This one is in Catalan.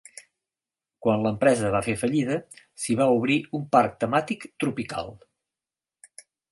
Quan l'empresa va fer fallida, s'hi va obrir un parc temàtic tropical.